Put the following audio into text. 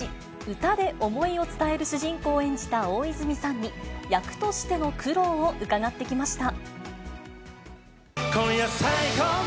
歌で思いを伝える主人公を演じた大泉さんに、役としての苦労を伺ってきました。